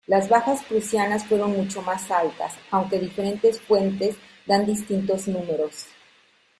Las bajas prusianas fueron mucho más altas, aunque diferentes fuentes dan distintos números.